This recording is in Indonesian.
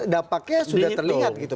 dampaknya sudah terlihat gitu